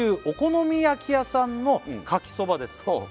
「お好み焼き屋さんのカキそばです」